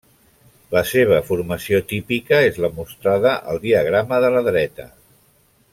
La seva formació típica és la mostrada al diagrama de la dreta.